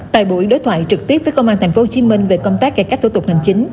tại buổi đối thoại trực tiếp với công an tp hcm về công tác cải cách thủ tục hành chính